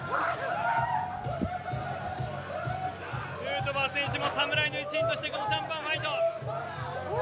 ヌートバー選手も侍ジャパンの一員としてこのシャンパンファイト。